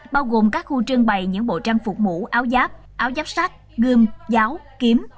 bao gồm các khu trưng bày những bộ trang phục mũ áo giáp áo giáp sát gươm giáo kiếm